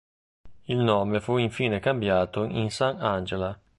Il nome fu infine cambiato in San Angela.